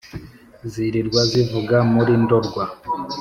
Zirirwa zivuga muri Ndorwa